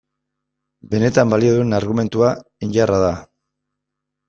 Benetan balio duen argumentua indarra da.